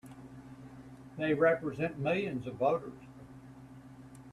They represent millions of voters!